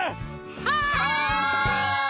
はい！